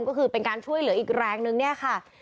ก็คือเป็นการช่วยเหลืออีกแรงนึงเนี่ยค่ะ